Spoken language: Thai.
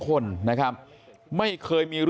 มต้นหนาเอาไปดูคลิปก่อนครับ